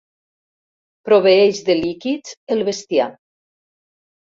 Proveeix de líquids el bestiar.